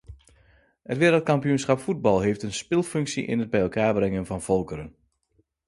Het wereldkampioenschap voetbal heeft een spilfunctie in het bij elkaar brengen van volkeren.